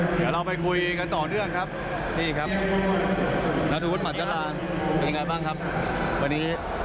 เดี๋ยวเราไปคุยกันต่อเรื่องครับนี่ครับหน้าทุนหมัดจรานเป็นอย่างไรบ้างครับวันนี้